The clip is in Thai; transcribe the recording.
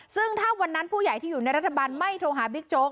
ซึ่งถ้าวันนั้นผู้ใหญ่ที่อยู่ในรัฐบาลไม่โทรหาบิ๊กโจ๊ก